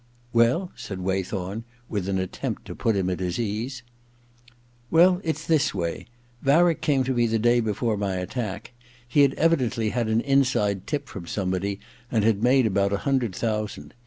* Well ?' said Waythorn, with an attempt to put him at his ease. * Well — ^it*s this way : Varick came to me the day before my attack. He had evidently had an inside tip from somebody, and had made about a hundred thousand.